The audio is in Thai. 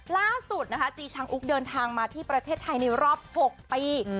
ล่าสุดนะคะจีชังอุ๊กเดินทางมาที่ประเทศไทยในรอบ๖ปี